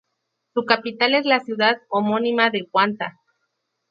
Su capital es la ciudad homónima de Guanta.